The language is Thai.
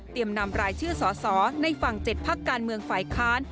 เตรียมนำรายชื่อสอในฝั่งเจ็ดภักดิ์การเมืองฝ่ายค้าน